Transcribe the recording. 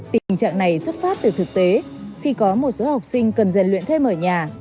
tình trạng này xuất phát từ thực tế khi có một số học sinh cần rèn luyện thêm ở nhà